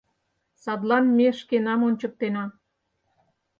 Садлан ме шкенам ончыктена...